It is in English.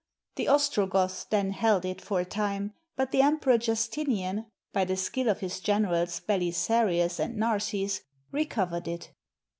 The Os trogoths then held it for a time, but the Emperor Justinian, by the skill of his generals Belisarius and Narses, recovered it.